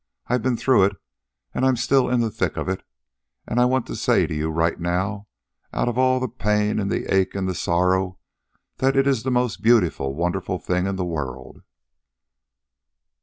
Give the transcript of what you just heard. I've been through it, and I'm still in the thick of it, and I want to say to you right now, out of all the pain and the ache and the sorrow, that it is the most beautiful, wonderful thing in the world."